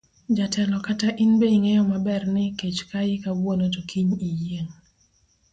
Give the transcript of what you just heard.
Jatelo kata in be ing'eyo maber ni kech kayi kawuono kiny to iyieng'.